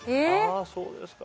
あそうですか。